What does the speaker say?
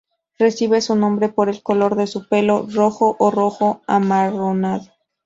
Recibe su nombre por el color de su pelo, rojo o rojo amarronado.